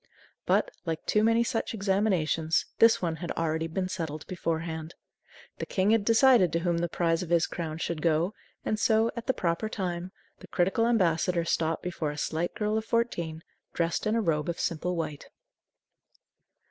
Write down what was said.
But, like too many such examinations, this one had already been settled beforehand. The King had decided to whom the prize of his crown should go, and so, at the proper time, the critical ambassador stopped before a slight girl of fourteen, dressed in a robe of simple white.